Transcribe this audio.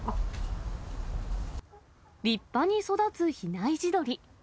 立派に育つ比内地鶏。